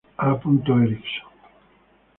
A. Erickson".